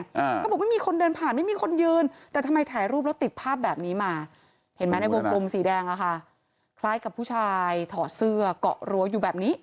เขาบอกไม่มีคนเดินผ่านไม่มีคนยืนแต่ทำไมถ่ายรูปแล้วติดภาพแบบนี้มาเห็นไหมในวงกลมสีแดงอ่ะค่ะคล้ายกับผู้ชายถอดเสื้อเกาะรั้วอยู่แบบนี้